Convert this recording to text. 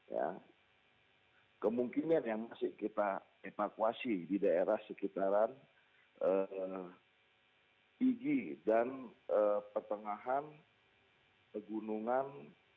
ya kemungkinan yang masih kita evakuasi di daerah sekitaran igi dan pertengahan pegunungan